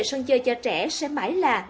sân chơi cho trẻ sẽ mãi là